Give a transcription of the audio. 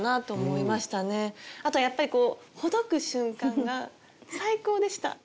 あとやっぱりこうほどく瞬間が最高でした！